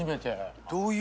どういう。